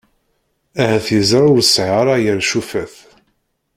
Ahat yeẓra ur sɛiɣ ara yir cufat!